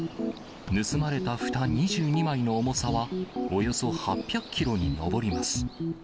盗まれたふた２２枚の重さは、およそ８００キロに上ります。